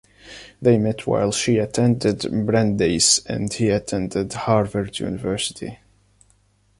They met while she attended Brandeis and he attended Harvard University.